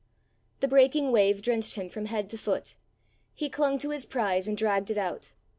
The breaking wave drenched him from head to foot: he clung to his prize and dragged it out.